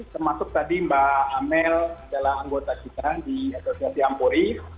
termasuk tadi mbak amel adalah anggota kita di asosiasi ampuri